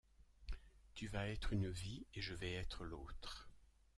Tu vas être une vie, et je vais être l’autre.